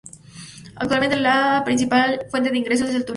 Actualmente, la principal fuente de ingresos es el turismo.